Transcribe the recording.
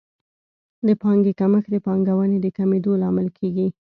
د پانګې کمښت د پانګونې د کمېدو لامل کیږي.